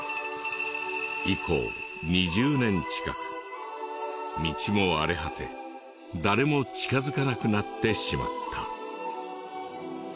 以降２０年近く道も荒れ果て誰も近づかなくなってしまった。